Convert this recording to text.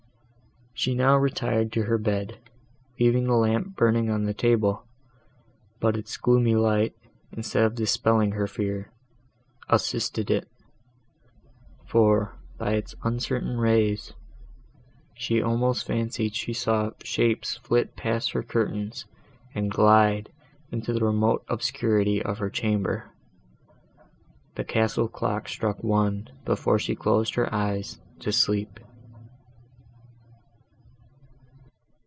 She now retired to her bed, leaving the lamp burning on the table; but its gloomy light, instead of dispelling her fear, assisted it; for, by its uncertain rays, she almost fancied she saw shapes flit past her curtains and glide into the remote obscurity of her chamber.—The castle clock struck one before she closed her eyes to sleep.